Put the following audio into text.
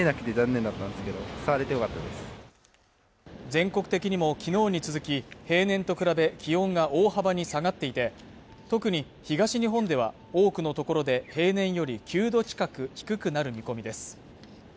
全国的にもきのうに続き平年と比べ気温が大幅に下がっていて特に東日本では多くの所で平年より９度近く低くなる見込みです